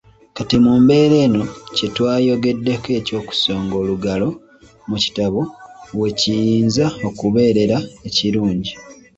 Kati mu mbeera eno kyetwayogedeko eky'okusonga olugalo mu kitabo weekiyinza okubeerera ekirungi.